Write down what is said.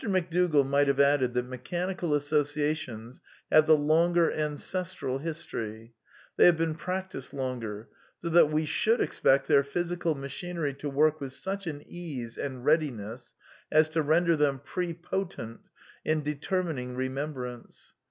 McDougall might have added that mechanical as sociations have the longer ancestral histoiy ; they have been practised longer; so that we should expect their physical \.. machinery to work with such an ease and readiness as tcr^ \ render them pre potent in determining remembrance.